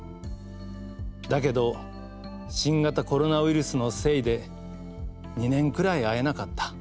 だけど新型コロナウイルスのせいで２年くらい会えなかった。